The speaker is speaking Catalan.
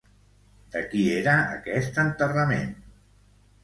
De qui era aquest enterrament?